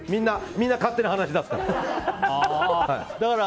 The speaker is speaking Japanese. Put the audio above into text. みんな、勝手に話し出すから。